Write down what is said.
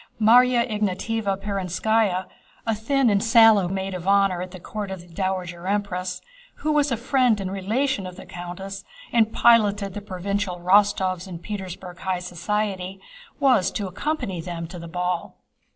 Márya Ignátevna Perónskaya, a thin and shallow maid of honor at the court of the Dowager Empress, who was a friend and relation of the countess and piloted the provincial Rostóvs in Petersburg high society, was to accompany them to the ball.